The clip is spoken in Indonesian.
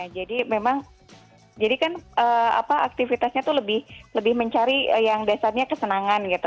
jadi memang jadi kan aktivitasnya itu lebih mencari yang dasarnya kesenangan gitu